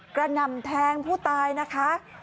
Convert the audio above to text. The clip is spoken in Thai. กระนำแทงผู้ตายนะคะ